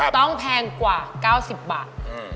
ต้องแพงกว่า๙๐บาท